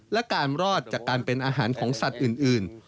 และการรอดจากการเป็นอาหารของสัตว์อื่น